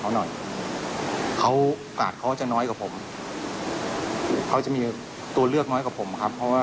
เวลาเขาจะน้อยกับผมเขาใช้มีตัวเลือกน้อยกับผมครับ